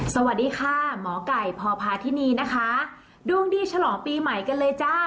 สวัสดีค่ะหมอไก่พพาธินีนะคะดวงดีฉลองปีใหม่กันเลยจ้า